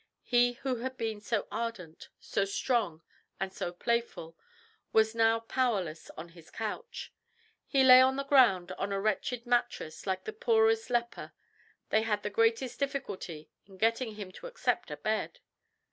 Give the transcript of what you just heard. He who had been so ardent, so strong, and so playful, was now powerless on his couch. He lay on the ground on a wretched mattress like the poorest leper. They had the greatest difficulty in getting him to accept a bed.